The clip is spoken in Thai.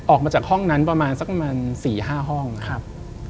ออกมาจากห้องนั้นประมาณสักประมาณ๔๕ห้องครับ